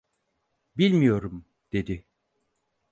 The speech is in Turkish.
"Bilmiyorum!" dedi.